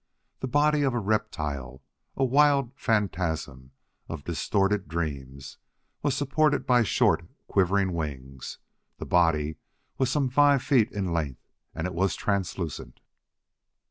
The body of a reptile a wild phantasm of distorted dreams was supported by short, quivering wings. The body was some five feet in length, and it was translucent.